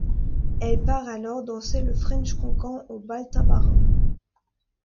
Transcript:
Elle part alors danser le French cancan au Bal Tabarin.